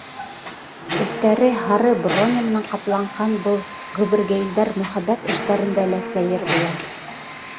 Өҫтәре һары броня менән ҡапланған был гөбөргәйелдәр мөхәббәт эштәрендә лә сәйер була.